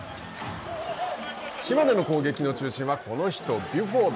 島根の攻撃の中心はこの人、ビュフォード。